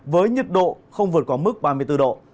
với nhiệt độ không vượt qua mức ba mươi bốn độ